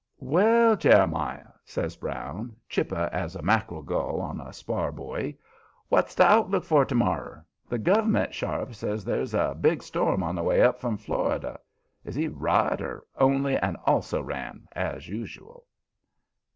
"Well, Jeremiah," says Brown, chipper as a mack'rel gull on a spar buoy, "what's the outlook for to morrer? The Gov'ment sharp says there's a big storm on the way up from Florida. Is he right, or only an 'also ran,' as usual?"